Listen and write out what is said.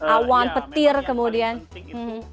awan petir kemudian